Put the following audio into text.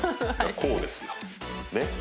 こうですよね「Ｋ」